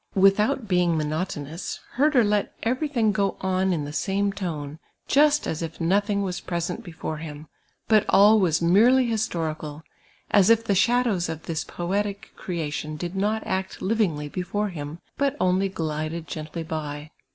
Without being monotonous. Herder let cvei j thing go on in the same tone, just as if Dothing was present before him, but all was merely historical ; as if the shadows of this poetic creation did not act livingly before him, but only glided gently by.